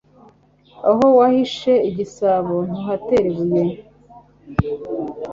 Aho wahishe igisabo, ntuhatera ibuye.